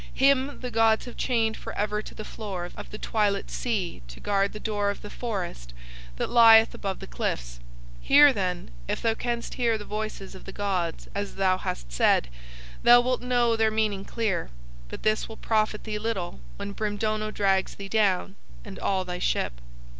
Him the gods have chained for ever to the floor of the twilit sea to guard the door of the forest that lieth above the cliffs. Here, then, if thou canst hear the voices of the gods as thou hast said, thou wilt know their meaning clear, but this will profit thee little when Brimdono drags thee down and all thy ship.